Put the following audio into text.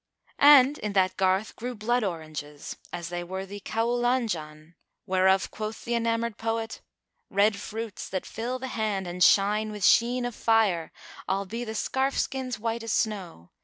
And in that garth grew blood oranges, as they were the Khaulanján,[FN#402] whereof quoth the enamoured poet,[FN#403] "Red fruits that fill the hand, and shine with sheen * Of fire, albe the scarf skin's white as snow.